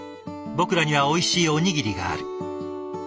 僕らにはおいしいおにぎりがある。